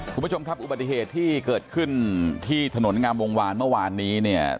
คุณผู้ชมครับอุบัติเหตุที่เกิดขึ้นที่ถนนงามวงวานเมื่อวานนี้เนี่ย